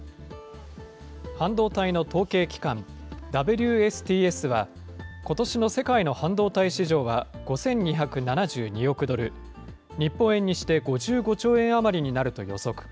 半導体の統計機関、ＷＳＴＳは、ことしの世界の半導体市場は５２７２億ドル、日本円にして５５兆円余りになると予測。